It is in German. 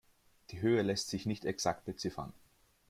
Die Höhe lässt sich nicht exakt beziffern.